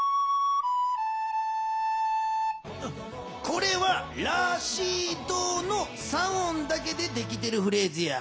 これは「ラシド」の３音だけでできてるフレーズや。